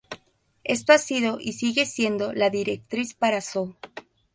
Esto ha sido, y sigue siendo, la directriz para So.